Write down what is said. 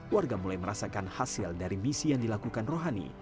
warga mulai merasakan hasil dari misi yang dilakukan rohani